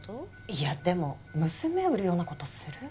いやでも娘を売るような事する？